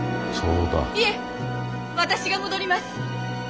いえ私が戻ります。